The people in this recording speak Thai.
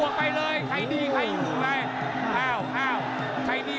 บวกไปเลยใครดีใครอยู่ไหน